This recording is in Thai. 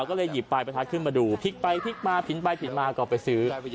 ก็เลยหยิบปลายประทัดขึ้นมาดูพลิกไปพลิกมาผินไปผิดมาก็ไปซื้อ